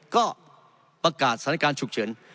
ก็ประกาศสถานการณ์ฉุกเฉิน